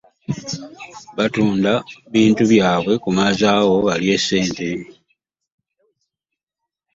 Batunda bintu byabwe kumazaawo balye ssente.